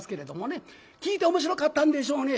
聞いて面白かったんでしょうね。